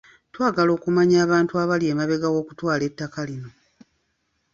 Twagala okumanya abantu abali emabega w'okutwala ettaka lino.